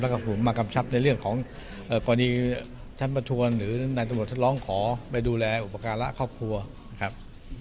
แล้วก็ผมมากำชับในเรื่องของกรณีชั้นประทวนหรือนายตำรวจท่านร้องขอไปดูแลอุปการะครอบครัวนะครับ